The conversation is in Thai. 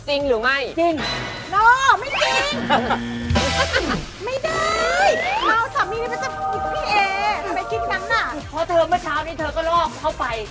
เพราะเธอเมื่อเช้านี้เธอก็ลอกเข้าไป